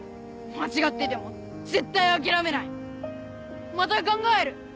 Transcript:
間違ってても絶対諦めないまた考える！